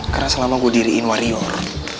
karena selama gue diriin warior